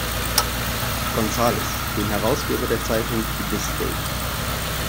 Gonzales, den Herausgeber der Zeitung „The State“.